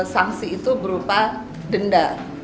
sanksi itu berupa denda